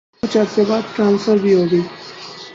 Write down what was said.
کچھ عرصے بعد ٹرانسفر بھی ہو گئی۔